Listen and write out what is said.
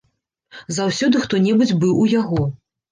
Заўсёды хто-небудзь быў у яго.